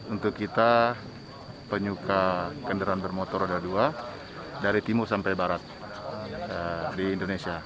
untuk kita penyuka kendaraan bermotor ada dua dari timur sampai barat di indonesia